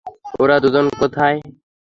ওরা দুজন কোথায়?